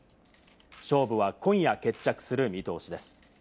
勝負は今夜決着する見通しです。